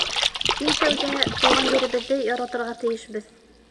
Иң тәүҙә тыуған еребеҙҙе яратырға тейешбеҙ.